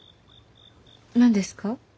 何ですか？